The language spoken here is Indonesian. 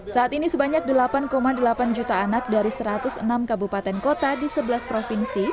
saat ini sebanyak delapan delapan juta anak dari satu ratus enam kabupaten kota di sebelas provinsi